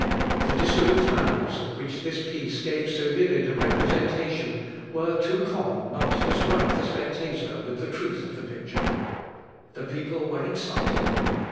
The dissolute manners of which this piece gave so vivid a representation were too common not to strike the spectator with the truth of the picture. The people were excited.